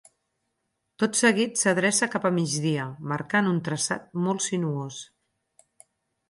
Tot seguit s'adreça cap a migdia, marcant un traçat molt sinuós.